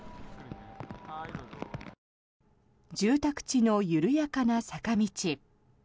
住宅地の緩やかな坂道。